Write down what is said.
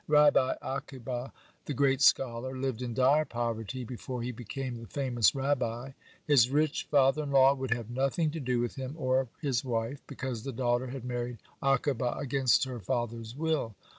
Rabbi Akiba, the great scholar, lived in dire poverty before he became the famous Rabbi. His rich father in law would have nothing to do with him or his wife, because the daughter had married Akiba against her father's will.